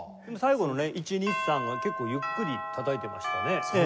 最後のね「１２３」が結構ゆっくりたたいてましたね。